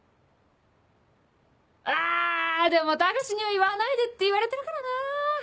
あでも高志には言わないでって言われてるからなぁ。